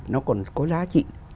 nó còn có giá trị